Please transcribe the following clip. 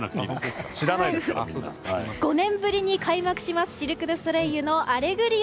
５年ぶりに開幕するシルク・ドゥ・ソレイユの「アレグリア」。